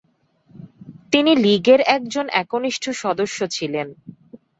তিনি লীগের একজন একনিষ্ঠ সদস্য ছিলেন।